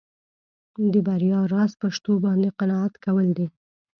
د بریا راز په شتو باندې قناعت کول دي.